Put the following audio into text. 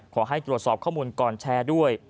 ขอให้ตรวจสอบข้อมูลก่อนแชร์ด้วย